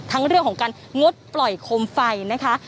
ทั้งเรื่องของการงดปล่อยโคมไฟนะคะ